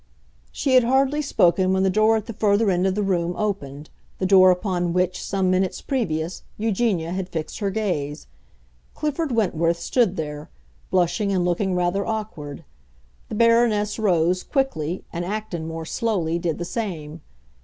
She had hardly spoken when the door at the further end of the room opened—the door upon which, some minutes previous, Eugenia had fixed her gaze. Clifford Wentworth stood there, blushing and looking rather awkward. The Baroness rose, quickly, and Acton, more slowly, did the same.